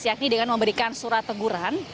yakni dengan memberikan surat teguran